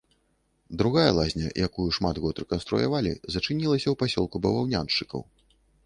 Другая лазня, якую шмат год рэканструявалі, зачынілася ў пасёлку баваўняншчыкаў.